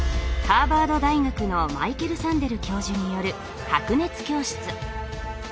ハーバード大学のマイケル・サンデル教授による「白熱教室」。